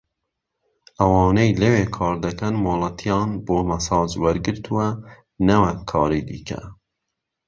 ئەوانەی لەوێ کاردەکەن مۆڵەتیان بۆ مەساج وەرگرتووە نەوەک کاری دیکە